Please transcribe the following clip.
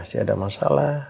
pasti ada masalah